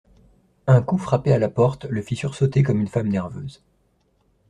Un coup frappé à la porte le fit sursauter comme une femme nerveuse.